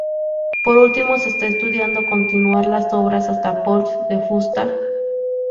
Por último, se está estudiando continuar las obras hasta Pont de Fusta.